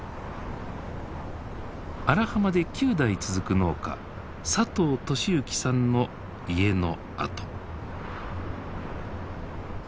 荒浜で９代続く農家佐藤利幸さんの家の跡。